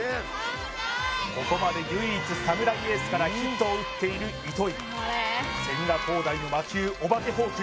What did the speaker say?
ここまで唯一サムライエースからヒットを打っている糸井千賀滉大の魔球お化けフォーク